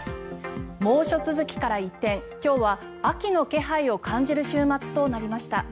猛暑続きから一転今日は秋の気配を感じる週末となりました。